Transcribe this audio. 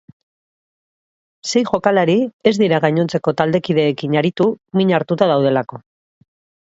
Sei jokalari ez dira gainontzeko taldekideekin aritu min hartuta daudelako.